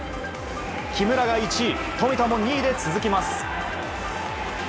木村が１位、富田も２位で続きます。